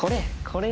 これ。